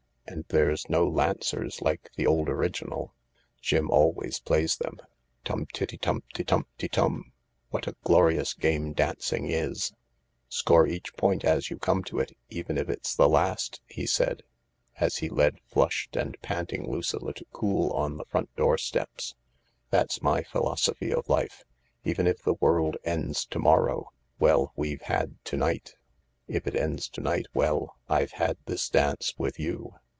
"And there's no Lancers like the old original, Jim always plays them. Tum tiddy tumpty tumpty tum I What a glorious game dancing is !"" Score each point as you come to it, even if it's the last," he said, as he led flushed and panting Lucilla to cool on the front door steps. "That's my philosophy of life. Even if the world ends to morrow — well, we've had to night ! If it ends to night — well — I've had this dance with you.